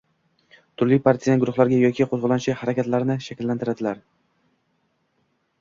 turli partizan guruhlarga yoki qo‘zg‘olonchi harakatlarni shakllantiradilar